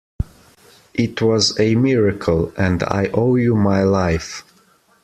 It was a miracle, and I owe you my life.